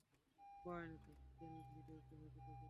সেন্ধিল, দ্রুত হাইকোর্টে যাও।